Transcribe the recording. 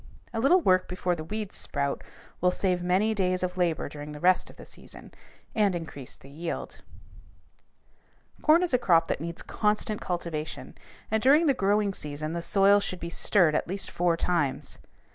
A little work before the weeds sprout will save many days of labor during the rest of the season, and increase the yield. [Illustration: FIG. 200. THE DIFFERENCE IS DUE TO TILLAGE] Corn is a crop that needs constant cultivation, and during the growing season the soil should be stirred at least four times.